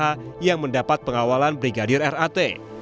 dari pengusaha yang mendapat pengawalan brigadir r a t